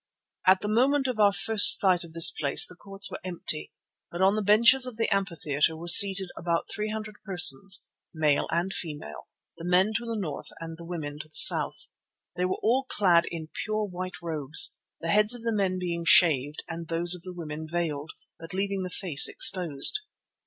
At the moment of our first sight of this place the courts were empty, but on the benches of the amphitheatre were seated about three hundred persons, male and female, the men to the north and the women to the south. They were all clad in pure white robes, the heads of the men being shaved and those of the women veiled, but leaving the face exposed.